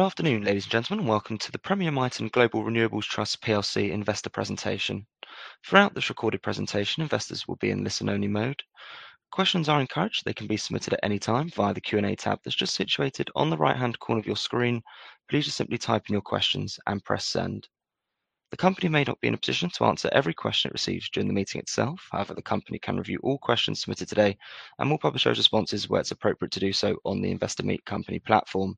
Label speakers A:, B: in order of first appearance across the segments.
A: Good afternoon, ladies and gentlemen. Welcome to the Premier Miton Global Renewables Trust plc investor presentation. Throughout this recorded presentation, investors will be in listen-only mode. Questions are encouraged. They can be submitted at any time via the Q&A tab that's just situated on the right-hand corner of your screen. Please just simply type in your questions and press Send. The company may not be in a position to answer every question it receives during the meeting itself. However, the company can review all questions submitted today and will publish those responses where it's appropriate to do so on the Investor Meet Company platform.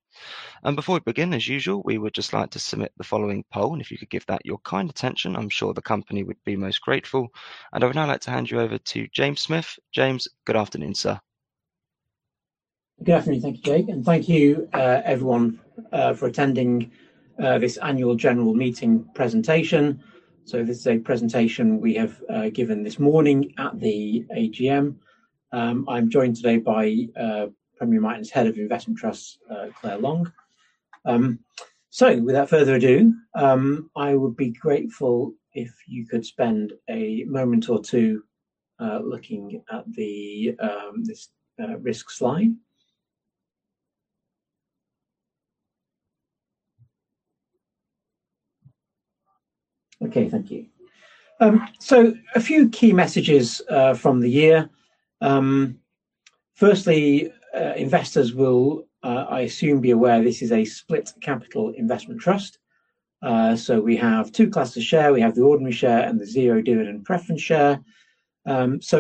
A: Before we begin, as usual, we would just like to submit the following poll, and if you could give that your kind attention, I'm sure the company would be most grateful. I would now like to hand you over to James Smith. James, good afternoon, sir.
B: Good afternoon. Thank you, Jake. Thank you, everyone, for attending this annual general meeting presentation. This is a presentation we have given this morning at the AGM. I'm joined today by Premier Miton's Head of Investment Trusts, Claire Long. Without further ado, I would be grateful if you could spend a moment or two looking at this risk slide. Okay. Thank you. A few key messages from the year. Firstly, investors will, I assume, be aware this is a split capital investment trust. We have two classes share. We have the ordinary share and the zero dividend preference share.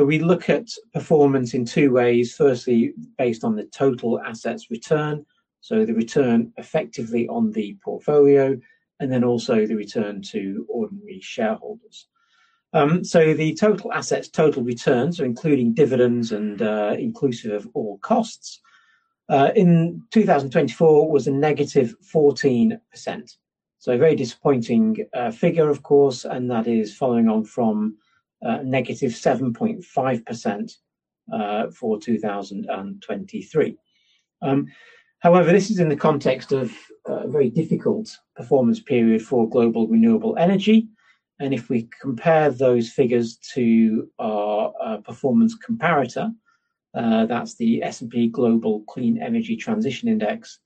B: We look at performance in two ways. Firstly, based on the total assets return, so the return effectively on the portfolio, and then also the return to ordinary shareholders. The total assets total returns, so including dividends and inclusive of all costs in 2024 was -14%. A very disappointing figure, of course, and that is following on from negative 7.5% for 2023. However, this is in the context of a very difficult performance period for global renewable energy. If we compare those figures to our performance comparator, that's the S&P Global Clean Energy Transition Index,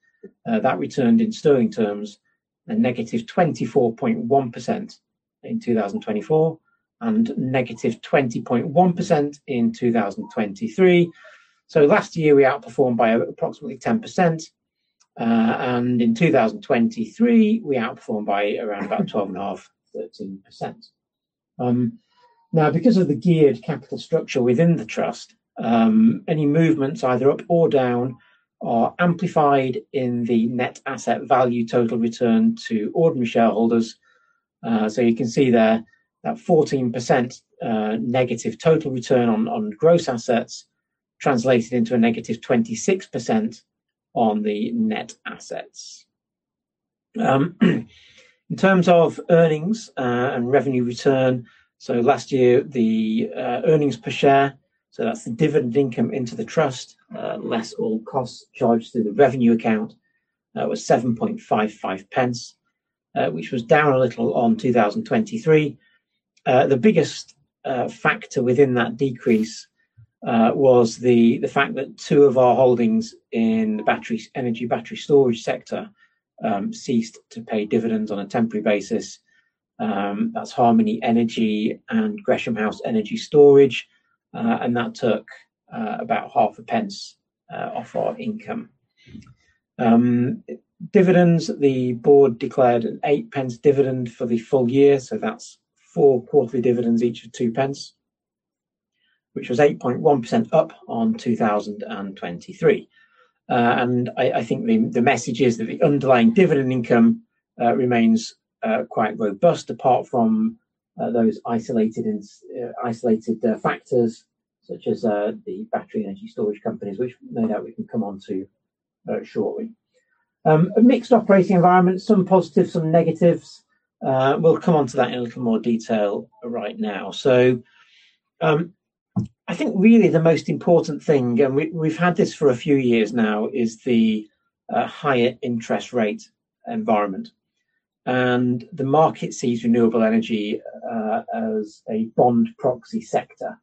B: that returned in sterling terms -24.1% in 2024 and -20.1% in 2023. Last year we outperformed by approximately 10%. In 2023, we outperformed by around 12.5%-13%. Now because of the geared capital structure within the trust, any movements either up or down are amplified in the net asset value total return to ordinary shareholders. You can see there that 14% negative total return on gross assets translated into a negative 26% on the net assets. In terms of earnings and revenue return, last year, the earnings per share, so that's the dividend income into the trust less all costs charged through the revenue account, was 0.0755, which was down a little on 2023. The biggest factor within that decrease was the fact that two of our holdings in the battery energy storage sector ceased to pay dividends on a temporary basis. That's Harmony Energy and Gresham House Energy Storage, and that took about GBP 0.005 off our income. The board declared a 0.08 dividend for the full year, so that's four quarterly dividends, each of 0.02, which was 8.1% up on 2023. I think the message is that the underlying dividend income remains quite robust apart from those isolated factors such as the battery energy storage companies, which no doubt we can come onto shortly. A mixed operating environment, some positives, some negatives. We'll come onto that in a little more detail right now. I think really the most important thing, and we've had this for a few years now, is the higher interest rate environment. The market sees renewable energy as a bond proxy sector.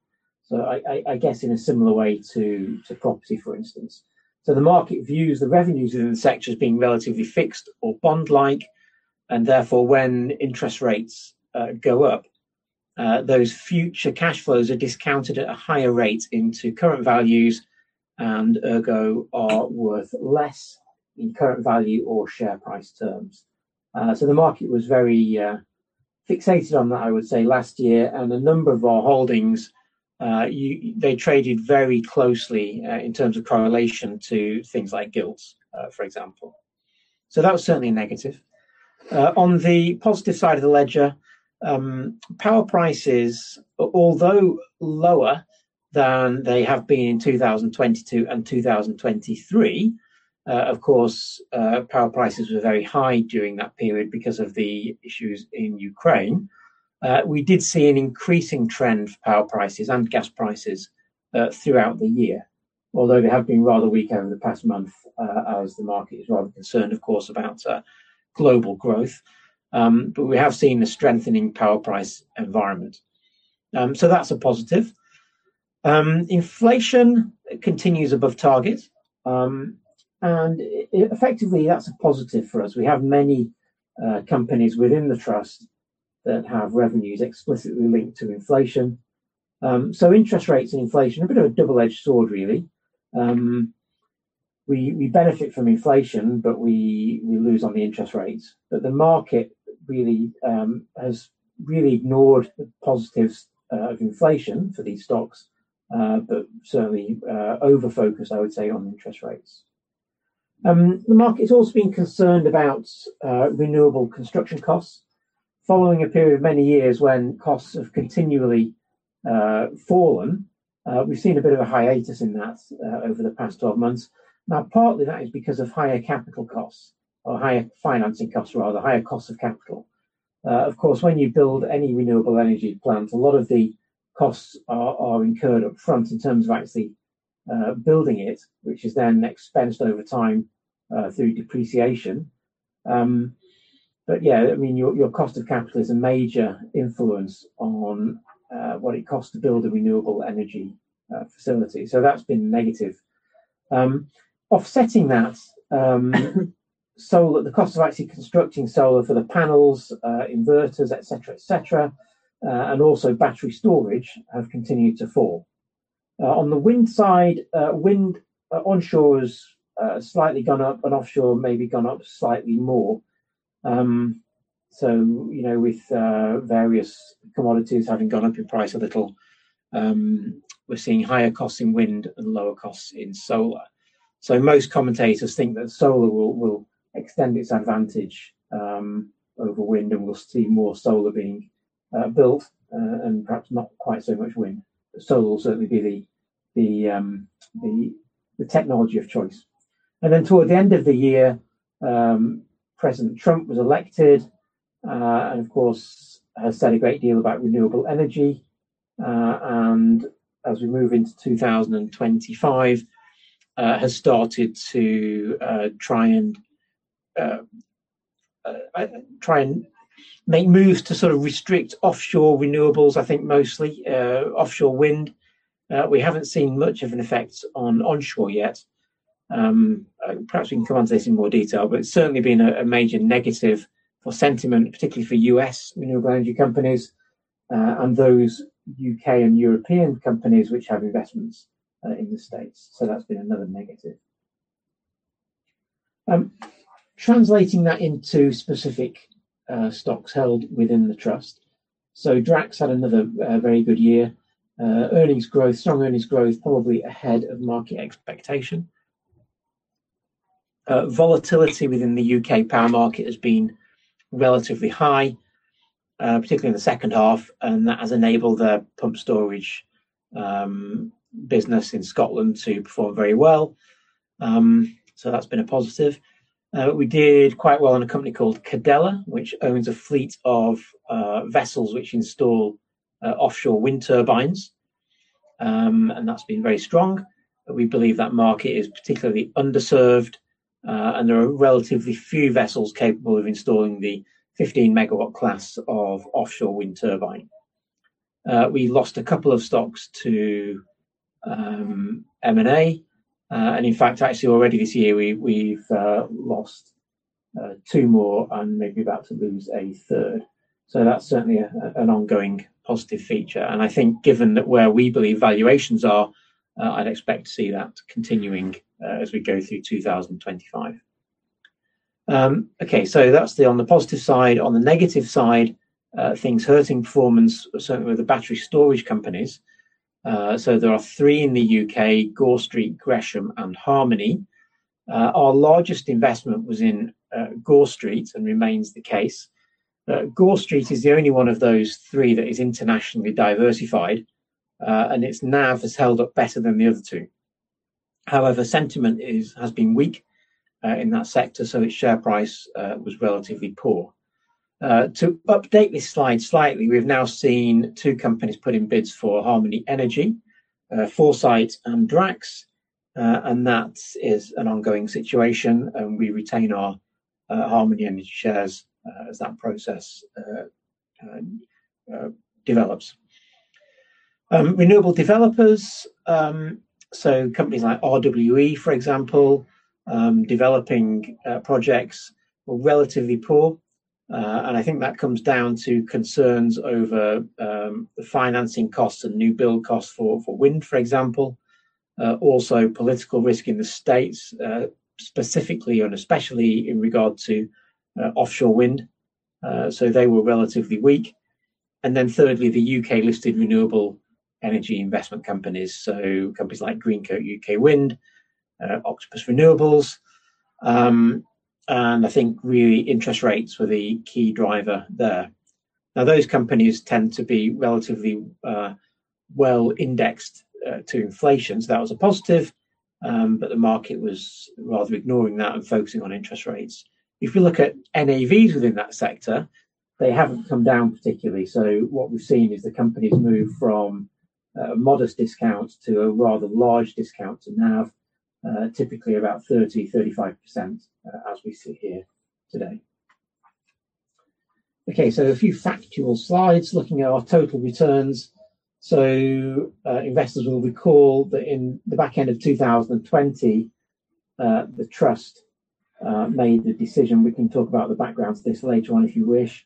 B: I guess in a similar way to property, for instance. The market views the revenues within the sector as being relatively fixed or bond-like, and therefore, when interest rates go up, those future cash flows are discounted at a higher rate into current values and ergo are worth less in current value or share price terms. The market was very fixated on that, I would say, last year. A number of our holdings, they traded very closely, in terms of correlation to things like gilts, for example. That was certainly negative. On the positive side of the ledger, power prices, although lower than they have been in 2022 and 2023, of course, power prices were very high during that period because of the issues in Ukraine. We did see an increasing trend for power prices and gas prices, throughout the year, although they have been rather weak over the past month, as the market is rather concerned, of course, about global growth. We have seen a strengthening power price environment. That's a positive. Inflation continues above targets. Effectively, that's a positive for us. We have many companies within the trust that have revenues explicitly linked to inflation. Interest rates and inflation, a bit of a double-edged sword really. We benefit from inflation, but we lose on the interest rates. The market really has really ignored the positives of inflation for these stocks, but certainly over-focused, I would say, on interest rates. The market's also been concerned about renewable construction costs following a period of many years when costs have continually fallen. We've seen a bit of a hiatus in that over the past 12 months. Now, partly that is because of higher capital costs or higher financing costs, rather, higher costs of capital. Of course, when you build any renewable energy plant, a lot of the costs are incurred up front in terms of actually building it, which is then expensed over time through depreciation. Yeah, I mean, your cost of capital is a major influence on what it costs to build a renewable energy facility. That's been negative. Offsetting that, solar, the cost of actually constructing solar for the panels, inverters, et cetera, and also battery storage have continued to fall. On the wind side, onshore's slightly gone up and offshore maybe gone up slightly more. You know, with various commodities having gone up in price a little, we're seeing higher costs in wind and lower costs in solar. Most commentators think that solar will extend its advantage over wind, and we'll see more solar being built, and perhaps not quite so much wind. Solar will certainly be the technology of choice. Toward the end of the year, President Trump was elected, and of course, has said a great deal about renewable energy. As we move into 2025, has started to try and make moves to sort of restrict offshore renewables, I think mostly offshore wind. We haven't seen much of an effect on onshore yet. Perhaps we can come onto this in more detail, but it's certainly been a major negative for sentiment, particularly for U.S. renewable energy companies, and those U.K. and European companies which have investments in the States. That's been another negative. Translating that into specific stocks held within the trust. Drax had another very good year. Earnings growth, strong earnings growth, probably ahead of market expectation. Volatility within the U.K. power market has been relatively high, particularly in the second half, and that has enabled the pumped storage business in Scotland to perform very well. That's been a positive. We did quite well in a company called Cadeler, which owns a fleet of vessels which install offshore wind turbines, and that's been very strong. We believe that the market is particularly underserved, and there are relatively few vessels capable of installing the 15 MW class of offshore wind turbine. We lost a couple of stocks to M&A. In fact, actually already this year, we've lost two more and may be about to lose a third. That's certainly an ongoing positive feature. I think given that where we believe valuations are, I'd expect to see that continuing, as we go through 2025. Okay, that's on the positive side. On the negative side, things hurting performance certainly were the battery storage companies. There are three in the U.K., Gore Street, Gresham, and Harmony. Our largest investment was in Gore Street and remains the case. Gore Street is the only one of those three that is internationally diversified, and its NAV has held up better than the other two. However, sentiment has been weak in that sector, so its share price was relatively poor. To update this slide slightly, we've now seen two companies put in bids for Harmony Energy, Foresight and Drax. That is an ongoing situation and we retain our Harmony Energy shares as that process develops. Renewable developers, so companies like RWE, for example, developing projects were relatively poor. I think that comes down to concerns over the financing costs and new build costs for wind, for example. Also political risk in the States, specifically and especially in regard to offshore wind. They were relatively weak. Thirdly, the UK-listed renewable energy investment companies. Companies like Greencoat UK Wind, Octopus Renewables, and I think really interest rates were the key driver there. Now, those companies tend to be relatively well indexed to inflation, so that was a positive. The market was rather ignoring that and focusing on interest rates. If you look at NAVs within that sector, they haven't come down particularly. What we've seen is the companies move from a modest discount to a rather large discount to NAV, typically about 30%-35%, as we sit here today. A few factual slides looking at our total returns. Investors will recall that in the back end of 2020, the trust made the decision to concentrate purely on renewable energy companies. We can talk about the background to this later on if you wish.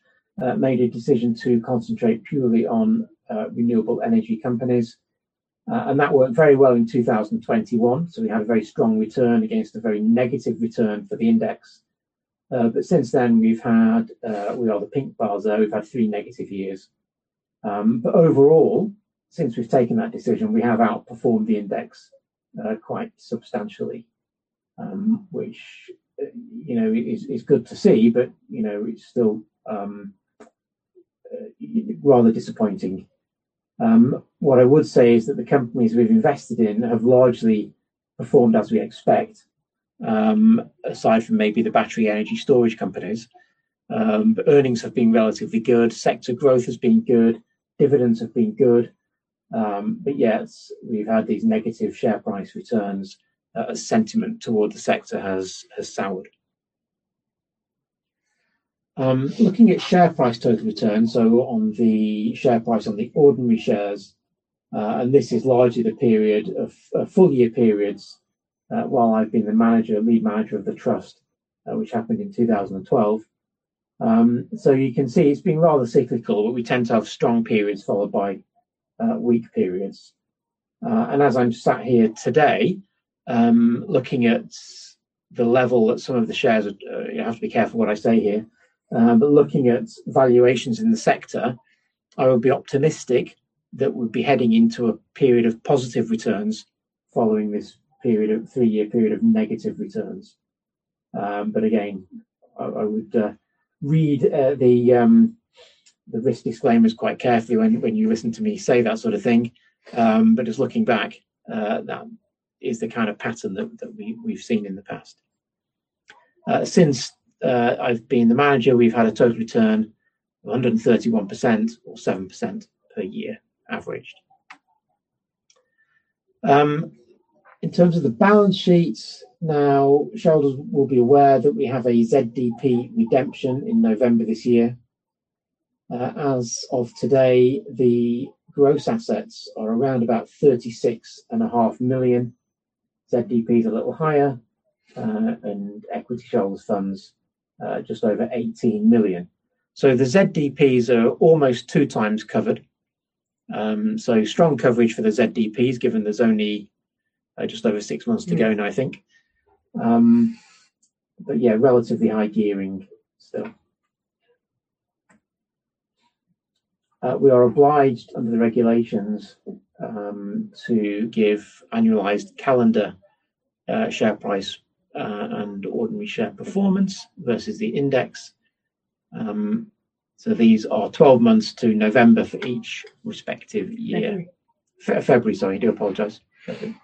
B: That worked very well in 2021. We had a very strong return against a very negative return for the index. Since then, we are the pink bars there. We've had three negative years. Overall, since we've taken that decision, we have outperformed the index quite substantially. Which you know is good to see, but you know it's still rather disappointing. What I would say is that the companies we've invested in have largely performed as we expect, aside from maybe the battery energy storage companies. Earnings have been relatively good, sector growth has been good, dividends have been good. Yes, we've had these negative share price returns as sentiment toward the sector has soured. Looking at share price total return, so on the share price on the ordinary shares, and this is largely the period of full year periods, while I've been the manager, lead manager of the trust, which happened in 2012. You can see it's been rather cyclical. We tend to have strong periods followed by weak periods. As I'm sat here today, looking at the level that some of the shares are, you have to be careful what I say here. Looking at valuations in the sector, I would be optimistic that we'd be heading into a period of positive returns following this three year period of negative returns. Again, I would read the risk disclaimers quite carefully when you listen to me say that sort of thing. Just looking back, that is the kind of pattern that we've seen in the past. Since I've been the manager, we've had a total return of 131% or 7% per year averaged. In terms of the balance sheets, now, shareholders will be aware that we have a ZDP redemption in November this year. As of today, the gross assets are around about 36.5 million. ZDP is a little higher, and equity shareholders' funds just over 18 million. The ZDPs are almost 2x covered. Strong coverage for the ZDPs, given there's only just over six months to go now, I think. Yeah, relatively high gearing still. We are obliged under the regulations to give annualized calendar share price and ordinary share performance versus the index. These are 12 months to November for each respective year. February. Sorry. I do apologize. February.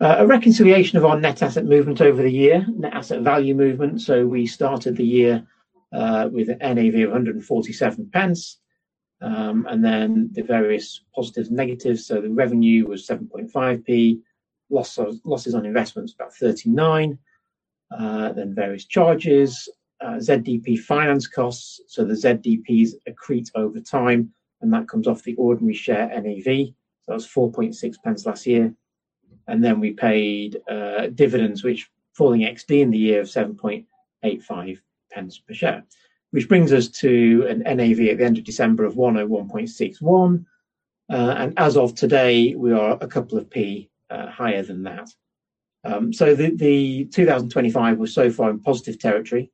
B: A reconciliation of our net asset movement over the year. Net asset value movement. We started the year with an NAV of 1.47. And then the various positives, negatives. The revenue was GBP 7.5p Losses on investments about 39. Then various charges. ZDP finance costs. The ZDPs accrete over time, and that comes off the ordinary share NAV. That was 4.6 last year. Then we paid dividends which falling XD in the year of 7.85 per share. Which brings us to an NAV at the end of December of 101.61. And as of today, we are a couple of p higher than that. The 2025 was so far in positive territory,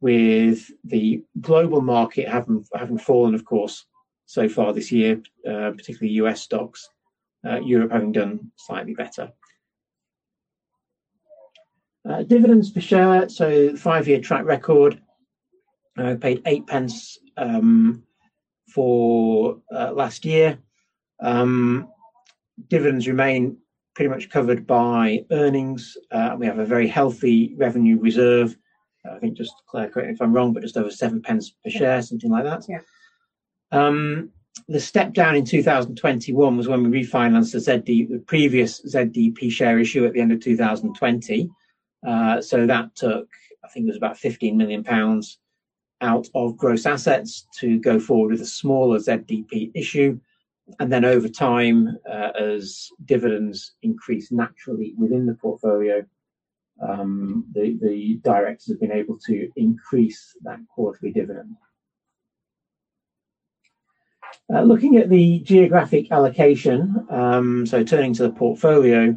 B: with the global market having fallen, of course, so far this year, particularly U.S. stocks. Europe having done slightly better. Dividends per share. Five year track record. Paid 8 for last year. Dividends remain pretty much covered by earnings. We have a very healthy revenue reserve. I think just to clarify, correct me if I'm wrong, but just over 7 per share. Something like that.
C: Yeah.
B: The step down in 2021 was when we refinanced the previous ZDP share issue at the end of 2020. So that took, I think it was about 15 million pounds out of gross assets to go forward with a smaller ZDP issue. Then over time, as dividends increased naturally within the portfolio, the directors have been able to increase that quarterly dividend. Looking at the geographic allocation, turning to the portfolio.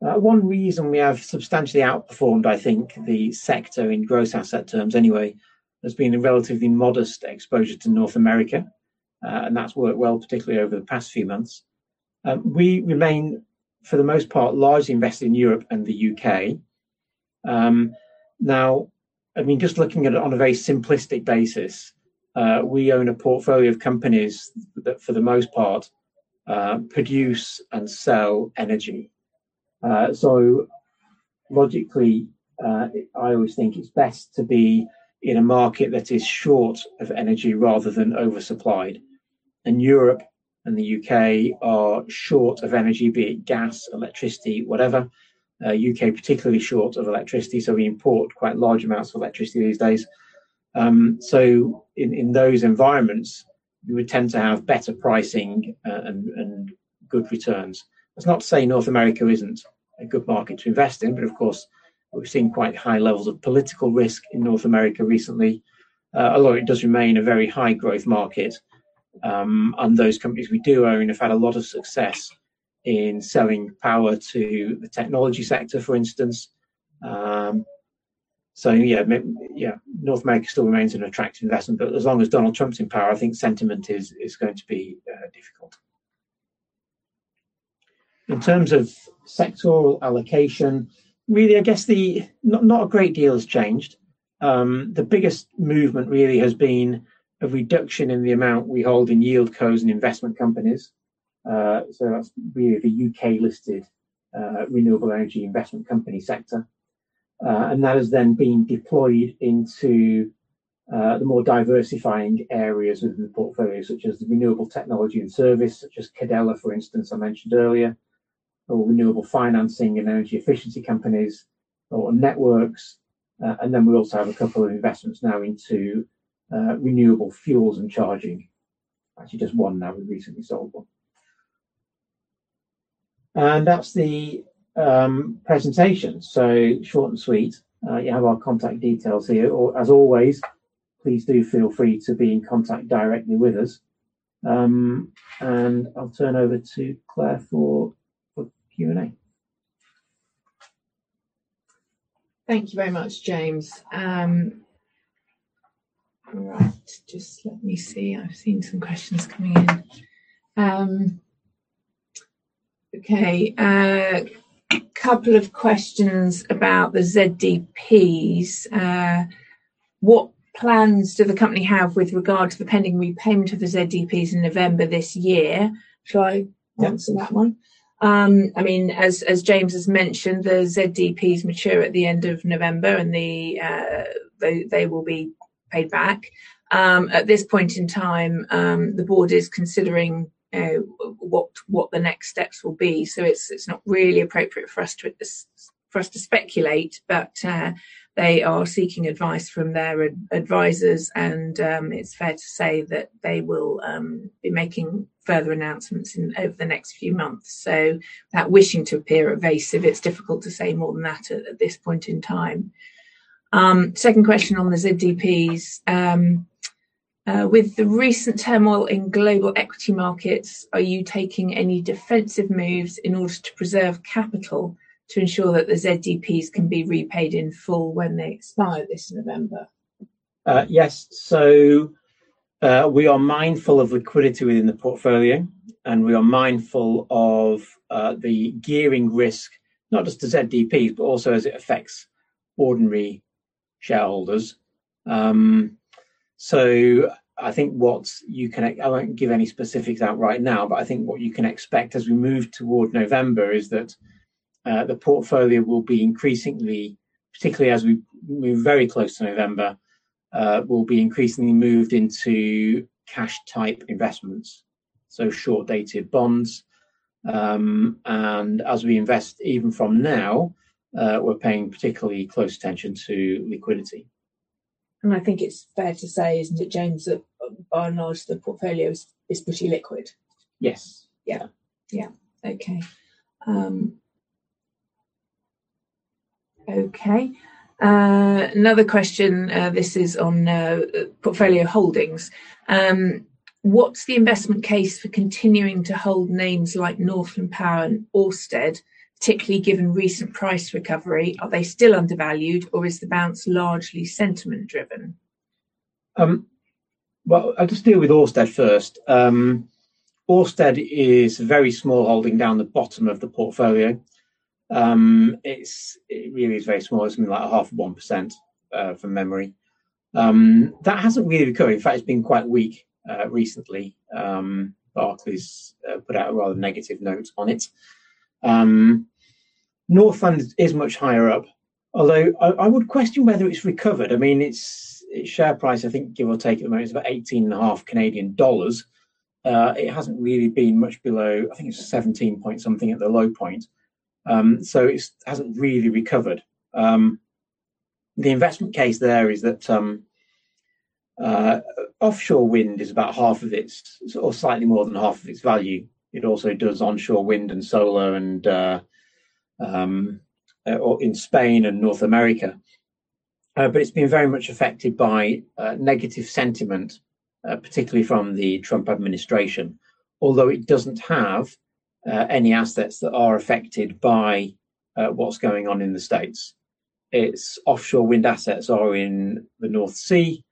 B: One reason we have substantially outperformed, I think, the sector in gross asset terms anyway, has been a relatively modest exposure to North America. That's worked well, particularly over the past few months. We remain, for the most part, largely invested in Europe and the U.K. Now, I mean, just looking at it on a very simplistic basis, we own a portfolio of companies that, for the most part, produce and sell energy. Logically, I always think it's best to be in a market that is short of energy rather than oversupplied. Europe and the U.K. are short of energy, be it gas, electricity, whatever. The U.K. is particularly short of electricity, so we import quite large amounts of electricity these days. In those environments, you would tend to have better pricing and good returns. That's not to say North America isn't a good market to invest in, but of course, we've seen quite high levels of political risk in North America recently. Although it does remain a very high growth market, and those companies we do own have had a lot of success in selling power to the technology sector, for instance. Yeah, North America still remains an attractive investment, but as long as Donald Trump's in power, I think sentiment is going to be difficult. In terms of sectoral allocation, really, I guess not a great deal has changed. The biggest movement really has been a reduction in the amount we hold in Yieldcos and investment companies. That's really the U.K.-listed renewable energy investment company sector. That has then been deployed into the more diversifying areas within the portfolio, such as the renewable technology and service, such as Cadeler, for instance, I mentioned earlier, or renewable financing and energy efficiency companies or networks. We also have a couple of investments now into renewable fuels and charging. Actually, just one now. We recently sold one. That's the presentation, so short and sweet. You have our contact details here. As always, please do feel free to be in contact directly with us. I'll turn over to Claire for Q&A.
C: Thank you very much, James. I've seen some questions coming in. Okay, a couple of questions about the ZDPs. What plans do the company have with regard to the pending repayment of the ZDPs in November this year? Shall I answer that one?
B: Yeah.
C: I mean, as James has mentioned, the ZDPs mature at the end of November and they will be paid back. At this point in time, the board is considering what the next steps will be. It's not really appropriate for us to speculate, but they are seeking advice from their advisers and it's fair to say that they will be making further announcements over the next few months. Without wishing to appear evasive, it's difficult to say more than that at this point in time. Second question on the ZDPs. With the recent turmoil in global equity markets, are you taking any defensive moves in order to preserve capital to ensure that the ZDPs can be repaid in full when they expire this November?
B: Yes. We are mindful of liquidity within the portfolio, and we are mindful of the gearing risk, not just to ZDP, but also as it affects ordinary shareholders. I won't give any specifics out right now, but I think what you can expect as we move toward November is that the portfolio will be increasingly moved into cash-type investments, particularly as we move very close to November, so short-dated bonds. As we invest, even from now, we're paying particularly close attention to liquidity.
C: I think it's fair to say, isn't it, James, that by and large, the portfolio is pretty liquid.
B: Yes.
C: Yeah. Yeah. Okay. Okay. Another question, this is on portfolio holdings. What's the investment case for continuing to hold names like Northland Power and Ørsted, particularly given recent price recovery? Are they still undervalued, or is the bounce largely sentiment driven?
B: Well, I'll just deal with Ørsted first. Ørsted is a very small holding down the bottom of the portfolio. It's really very small. It's something like 0.5%, from memory. That hasn't really recovered. In fact, it's been quite weak recently. Barclays put out a rather negative note on it. Northland is much higher up, although I would question whether it's recovered. I mean, its share price, I think, give or take at the moment, is about 18.5 Canadian dollars. It hasn't really been much below. I think it's 17-point-something at the low point. It hasn't really recovered. The investment case there is that offshore wind is about half of its value, or slightly more than half of its value. It also does onshore wind and solar in Spain and North America. It's been very much affected by negative sentiment, particularly from the Trump administration. Although it doesn't have any assets that are affected by what's going on in the States. Its offshore wind assets are in the North Sea.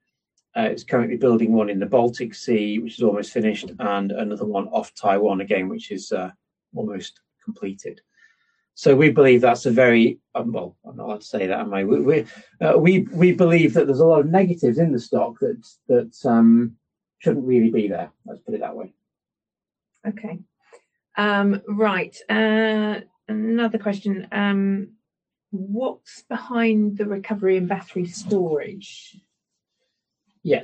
B: It's currently building one in the Baltic Sea, which is almost finished, and another one off Taiwan again, which is almost completed. Well, I'm not allowed to say that, am I? We believe that there's a lot of negatives in the stock that shouldn't really be there. Let's put it that way.
C: Okay. Right. Another question. What's behind the recovery in battery storage?
B: Yeah,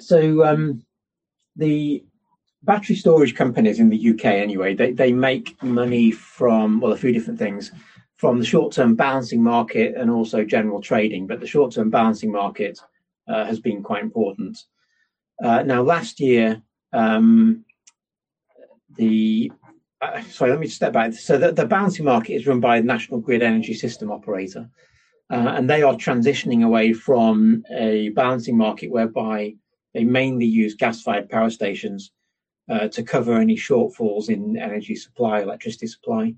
B: the battery storage companies in the U.K., anyway, they make money from well, a few different things, from the short-term balancing market and also general trading. The short-term balancing market has been quite important. Sorry, let me step back. The balancing market is run by the National Energy System Operator, and they are transitioning away from a balancing market whereby they mainly use gas-fired power stations to cover any shortfalls in energy supply, electricity supply,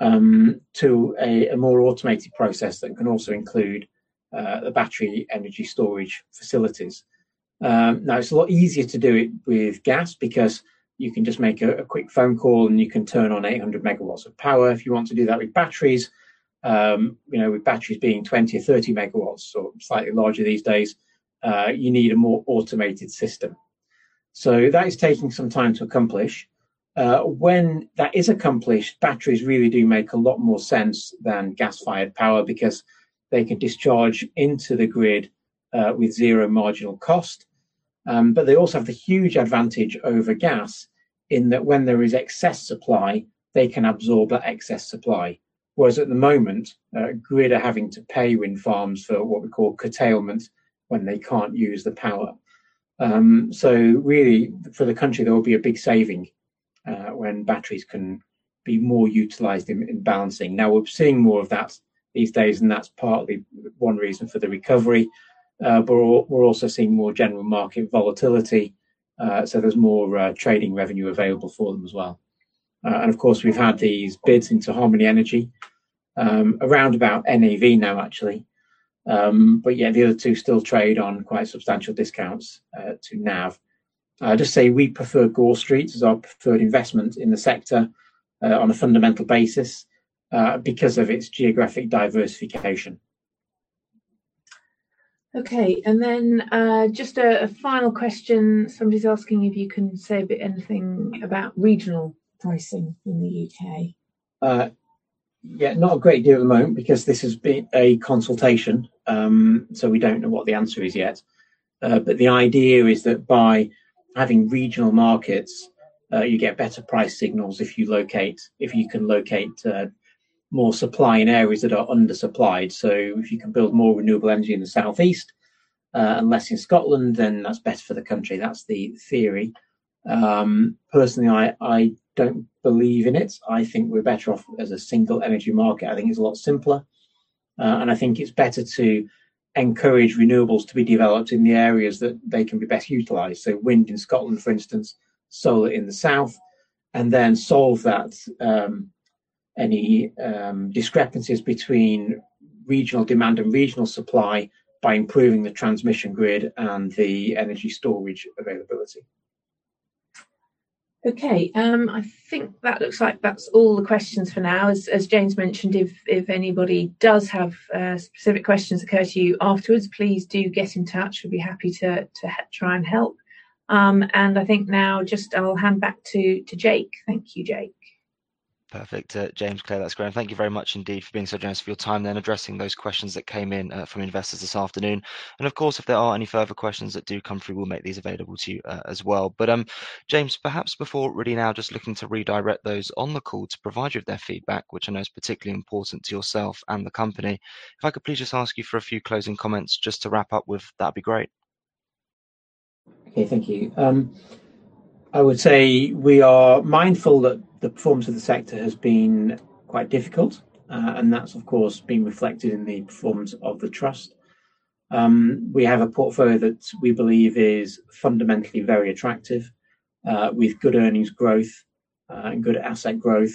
B: to a more automated process that can also include the battery energy storage facilities. It’s a lot easier to do it with gas because you can just make a quick phone call, and you can turn on 800 MW of power. If you want to do that with batteries, you know, with batteries being 20, 30 MW or slightly larger these days, you need a more automated system. That is taking some time to accomplish. When that is accomplished, batteries really do make a lot more sense than gas-fired power because they can discharge into the grid with zero marginal cost. They also have the huge advantage over gas in that when there is excess supply, they can absorb that excess supply, whereas at the moment, grids are having to pay wind farms for what we call curtailment when they can't use the power. Really for the country, there will be a big saving when batteries can be more utilized in balancing. Now, we're seeing more of that these days, and that's partly one reason for the recovery. We're also seeing more general market volatility, so there's more trading revenue available for them as well. Of course, we've had these bids into Harmony Energy, around about NAV now actually. Yeah, the other two still trade on quite substantial discounts to NAV. I'll just say we prefer Gore Street as our preferred investment in the sector on a fundamental basis because of its geographic diversification.
C: Okay. Just a final question. Somebody's asking if you can say a bit anything about regional pricing in the U.K.
B: Yeah, not a great deal at the moment because this has been a consultation, so we don't know what the answer is yet. The idea is that by having regional markets, you get better price signals if you can locate more supply in areas that are undersupplied. If you can build more renewable energy in the Southeast, and less in Scotland, then that's best for the country. That's the theory. Personally, I don't believe in it. I think we're better off as a single energy market. I think it's a lot simpler, and I think it's better to encourage renewables to be developed in the areas that they can be best utilized. Wind in Scotland, for instance, solar in the south, and then solve that any discrepancies between regional demand and regional supply by improving the transmission grid and the energy storage availability.
C: Okay. I think that looks like that's all the questions for now. As James mentioned, if anybody does have specific questions occur to you afterwards, please do get in touch. We'd be happy to try and help. I think now just I'll hand back to Jake. Thank you, Jake.
A: Perfect. James, Claire, that's great. Thank you very much indeed for being so generous with your time then addressing those questions that came in from investors this afternoon. Of course, if there are any further questions that do come through, we'll make these available to you as well. James, perhaps before really now just looking to redirect those on the call to provide you with their feedback, which I know is particularly important to yourself and the company, if I could please just ask you for a few closing comments just to wrap up with, that'd be great.
B: Okay. Thank you. I would say we are mindful that the performance of the sector has been quite difficult, and that's of course been reflected in the performance of the trust. We have a portfolio that we believe is fundamentally very attractive, with good earnings growth, and good asset growth,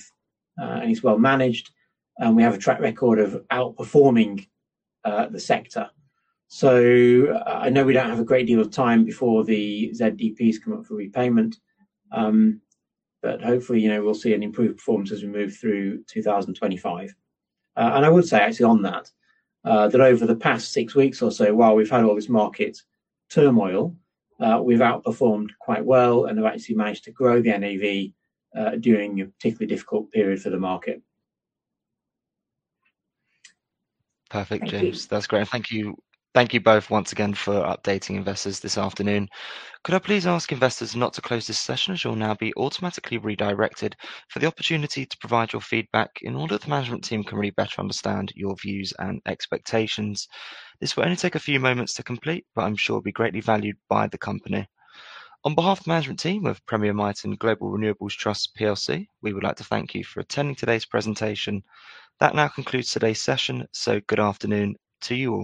B: and it's well managed, and we have a track record of outperforming the sector. I know we don't have a great deal of time before the ZDPs come up for repayment, but hopefully, you know, we'll see an improved performance as we move through 2025. I would say actually on that over the past six weeks or so, while we've had all this market turmoil, we've outperformed quite well and have actually managed to grow the NAV during a particularly difficult period for the market.
A: Perfect, James.
B: Thank you.
A: That's great. Thank you, thank you both once again for updating investors this afternoon. Could I please ask investors not to close this session, as you'll now be automatically redirected for the opportunity to provide your feedback in order that the management team can really better understand your views and expectations. This will only take a few moments to complete, but I'm sure it'll be greatly valued by the company. On behalf of the management team of Premier Miton Global Renewables Trust plc, we would like to thank you for attending today's presentation. That now concludes today's session, so good afternoon to you all.